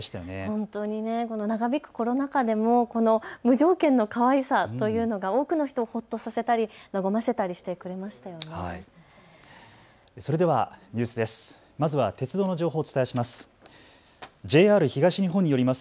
本当にこの長引くコロナ禍でもこの無条件のかわいさというのが多くの人をほっとさせたり和ませたりしてくれましたよね。